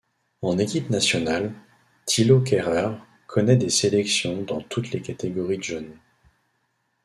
En équipe nationale, Thilo Kehrer connaît des sélections dans toutes les catégories de jeune.